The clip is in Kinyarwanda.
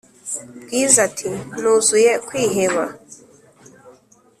bwiza ati"nuzuye kwiheba"